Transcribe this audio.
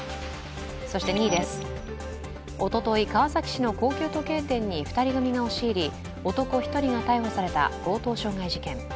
そして２位です、おととい川崎市の高級時計店に２人組が押し入り男１人が逮捕された強盗傷害事件。